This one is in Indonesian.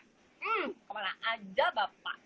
hmm kemana aja bapak